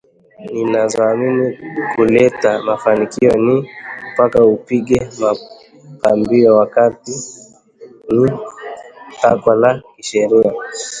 zinazoamini kuleta mafanikio ni mpaka upige mapambio wakati ni takwa la kisheria